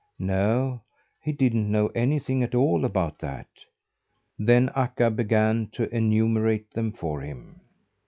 No, he didn't know anything at all about that. Then Akka began to enumerate them for him.